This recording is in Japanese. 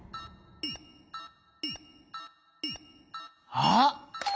あっ！